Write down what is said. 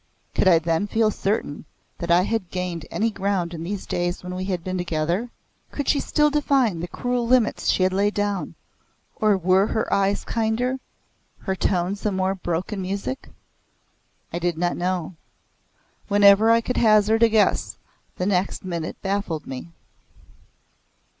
Could I then feel certain that I had gained any ground in these days we had been together? Could she still define the cruel limits she had laid down, or were her eyes kinder, her tones a more broken music? I did not know. Whenever I could hazard a guess the next minute baffled me.